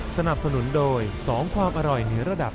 สนับสนุนโดย๒ความอร่อยในระดับ